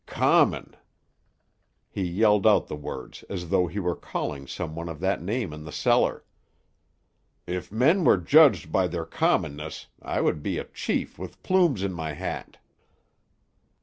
Common!" He yelled out the words as though he were calling some one of that name in the cellar. "If men were judged by their commonness, I would be a chief with plumes in my hat."